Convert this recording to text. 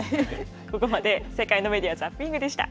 ここまで世界のメディア・ザッピングでした。